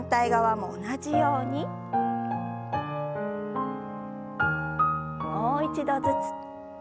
もう一度ずつ。